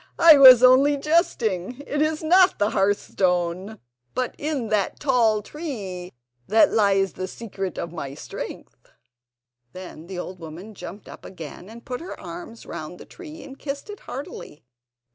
I was only jesting. It is not in the hearthstone, but in that tall tree that lies the secret of my strength." Then the old woman jumped up again and put her arms round the tree, and kissed it heartily.